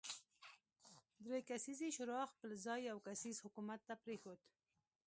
درې کسیزې شورا خپل ځای یو کسیز حکومت ته پرېښود.